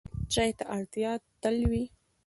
چای ته اړتیا تل وي.